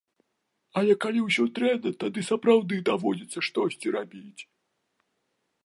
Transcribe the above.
Але калі ўсё дрэнна, тады сапраўды даводзіцца штосьці рабіць.